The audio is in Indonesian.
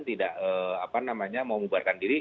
tidak mau membuarkan diri